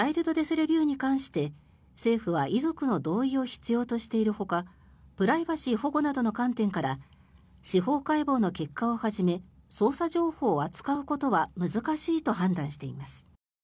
レビューに関して政府は遺族の同意を必要としているほかプライバシー保護などの観点から司法解剖の結果をはじめ捜査情報を扱うことは難しいと判断しています。